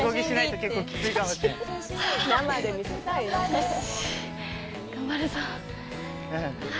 よし。